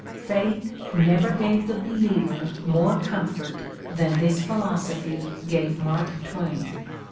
Faith never gave the believer more comfort than this phil osophy gave Mark Twain.